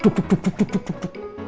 tuk tuk tuk tuk tuk tuk